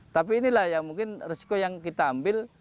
tapi inilah ya mungkin resiko yang kita ambil